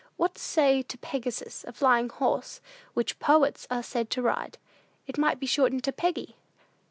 What say to Pegasus, a flying horse, which poets are said to ride? It might be shortened to Peggy."